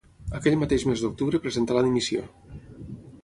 Aquell mateix mes d'octubre presentà la dimissió.